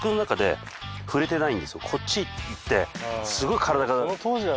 こっち行ってすごい体が。